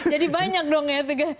jadi banyak dong ya